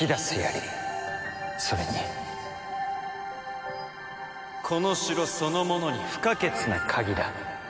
それにこの城そのものに不可欠な鍵だ。